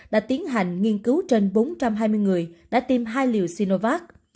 đã tiến hành nghiên cứu trên bốn trăm hai mươi người đã tiêm hai liều sinovac